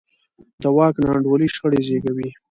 د واک ناانډولي شخړې زېږوي